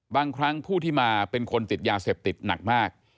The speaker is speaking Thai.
บางครั้งผู้ที่มาเป็นคนติดยาเสพติดหนักมาก